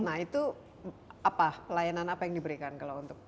nah itu apa pelayanan apa yang diberikan kalau untuk